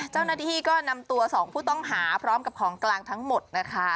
เจ้าหน้าที่ก็นำตัว๒ผู้ต้องหาพร้อมกับของกลางทั้งหมดนะคะ